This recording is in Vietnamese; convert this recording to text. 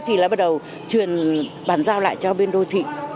thì là bắt đầu truyền bàn giao lại cho bên đô thị